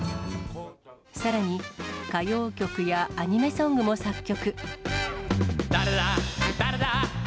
さらに、歌謡曲やアニメソングも作曲。